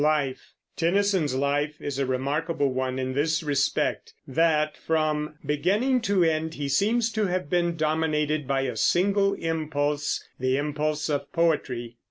LIFE. Tennyson's life is a remarkable one in this respect, that from beginning to end he seems to have been dominated by a single impulse, the impulse of poetry.